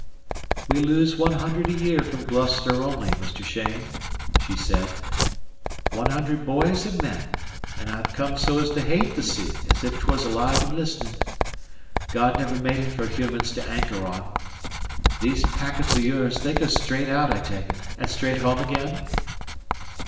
"We lose one hundred a year from Gloucester only, Mr. Cheyne," she said "one hundred boys an' men; and I've come so's to hate the sea as if 'twuz alive an' listenin'. God never made it fer humans to anchor on. These packets o' yours they go straight out, I take it' and straight home again?"